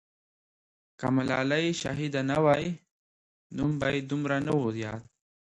که ملالۍ شهیده نه وای، نوم به یې دومره نه وو یاد.